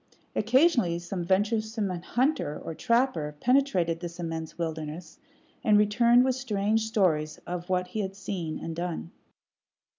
Occasionally some venturesome hunter or trapper penetrated this immense wilderness, and returned with strange stories of what he had seen and done.